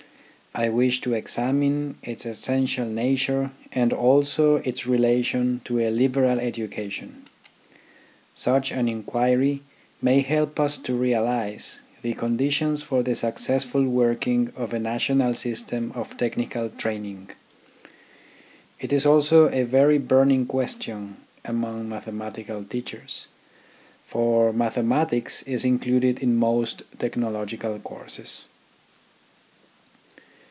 I wish to examine its essential nature and also its relation to a liberal education. Such an inquiry may help us to realise the con ditions for the successful working of a national system of technical training. It is also a very burning question among mathematical teachers; for mathematics is included in most technological courses.